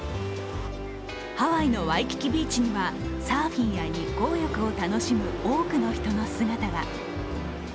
ハワイのワイキキビーチにはサーフィンや日光浴を楽しむ多くの人の姿が。